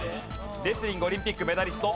レスリングオリンピックメダリスト。